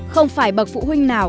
không phải bậc phụ huynh nào